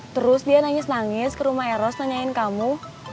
terus dia nangis nangis ke rumah eros nanyain kamu